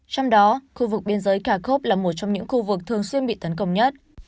trong đó khu vực biên giới cakov là một trong những khu vực thường xuyên bị tấn công nhất